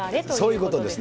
そういうことです。